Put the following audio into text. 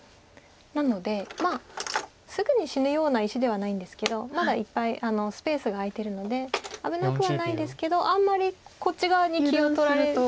なのでまあすぐに死ぬような石ではないんですけどまだいっぱいスペースが空いてるので危なくはないですけどあんまりこっち側に気を取られ過ぎると。